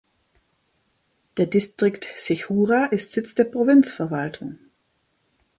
Der Distrikt Sechura ist Sitz der Provinzverwaltung.